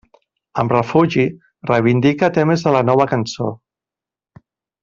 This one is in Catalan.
Amb Refugi, reivindica temes de la Nova Cançó.